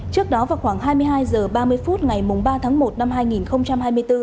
trước đó vào khoảng hai mươi hai h ba mươi phút ngày ba tháng một năm hai nghìn hai mươi bốn